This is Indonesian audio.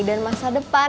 dan masa depan